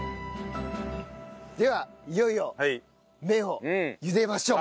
ではいよいよ麺を茹でましょう。